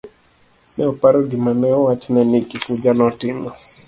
Noparo gima ne owachne ni Kifuja notimo.